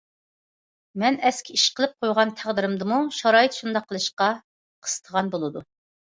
مەن ئەسكى ئىش قىلىپ قويغان تەقدىردىمۇ، شارائىت شۇنداق قىلىشقا قىستىغان بولىدۇ.